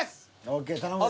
ＯＫ頼むぞ。